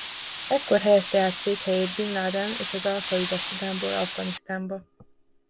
Ekkor helyezte át székhelyét bin Láden és az al-Káida Szudánból Afganisztánba.